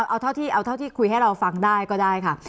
เอาเท่าที่เอาเท่าที่คุยให้เราฟังได้ก็ได้ค่ะ